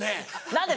何で？